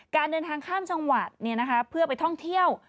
การเดินทางข้ามจังหวัดเพื่อไปท่องเที่ยว